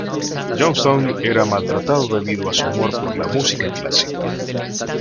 Johnston era maltratado debido a su amor por la música clásica.